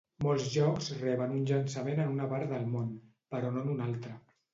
Molts jocs reben un llançament en una part del món, però no en un altre.